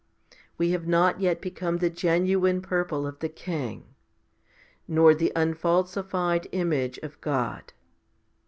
1 We have not yet become the genuine purple of the King, nor the unfalsified image of God.